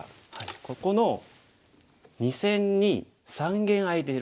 ここの２線に三間空いている場合